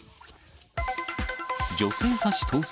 女性刺し逃走。